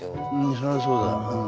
そりゃそうだうん。